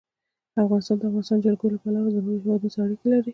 افغانستان د د افغانستان جلکو له پلوه له نورو هېوادونو سره اړیکې لري.